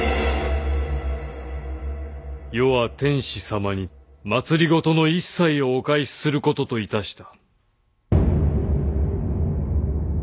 余は天子様に政の一切をお返しすることといたした。